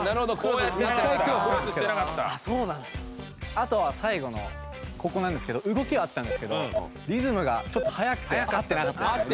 あとは最後のここなんですけど動きは合ってたんですけどリズムがちょっと速くて合ってなかったですね。